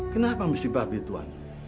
kenapa mesti babi tuan